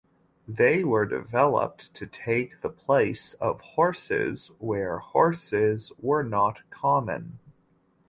They were developed to take the place of horses, where horses were not common.